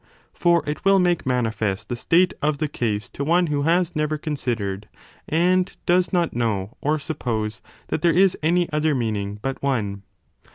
For it will make manifest the state of the case to one who has never considered, and does not know or suppose that there is any other meaning but one.